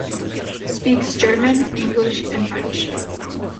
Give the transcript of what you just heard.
Speaks German, English and French.